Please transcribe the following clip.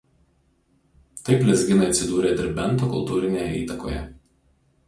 Taip lezginai atsidūrė Derbento kultūrinėje įtakoje.